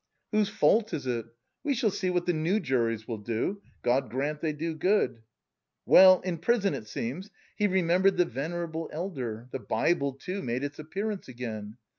Whose fault is it? We shall see what the new juries will do. God grant they do good! Well, in prison, it seems, he remembered the venerable elder; the Bible, too, made its appearance again.